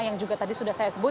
yang juga tadi sudah saya sebut